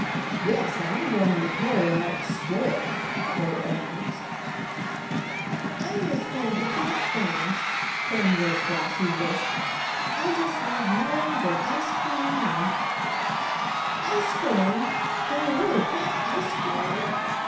"Yes, and I'm going with Harry out exploring," Bert announced. "I'm just going to plant things," prim little Flossie lisped. "I just love melons and ice cream and " "Ice cream! Can you really plant ice cream?"